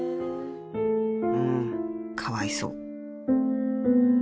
［うーん。かわいそう］